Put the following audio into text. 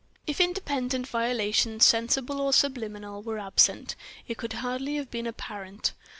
If independent volition, sensible or subliminal, were absent, it could hardly have been apparent.